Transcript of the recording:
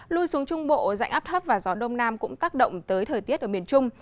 lui xuống trung bộ dạnh áp thấp và gió đông nam cũng tác động tới thời tiết ở miền trung